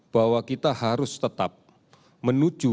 bahwa kita harus tetap menuju